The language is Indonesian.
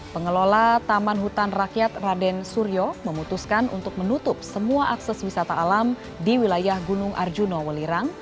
pengelola taman hutan rakyat raden suryo memutuskan untuk menutup semua akses wisata alam di wilayah gunung arjuna welirang